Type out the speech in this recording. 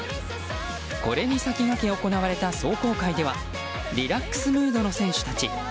これに先駆け行われた壮行会ではリラックスムードの選手たち。